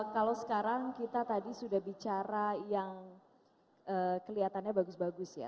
kalau sekarang kita tadi sudah bicara yang kelihatannya bagus bagus ya